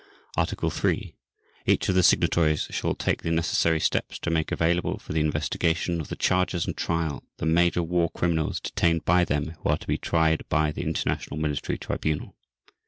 Article 3. Each of the Signatories shall take the necessary steps to make available for the investigation of the charges and trial the major war criminals detained by them who are to be tried by the International Military Tribunal.